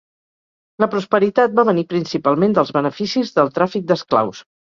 La prosperitat va venir principalment dels beneficis del tràfic d'esclaus.